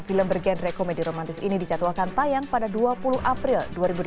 film bergenre komedi romantis ini dijadwalkan tayang pada dua puluh april dua ribu delapan belas